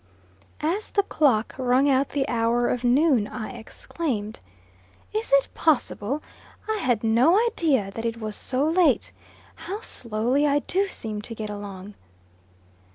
As the clock rung out the hour of noon, I exclaimed: "Is it possible! I had no idea that it was so late. How slowly I do seem to get along!"